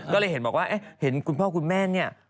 ก็เลยเห็นบอกว่าเห็นคุณพ่อคุณแม่เนี่ย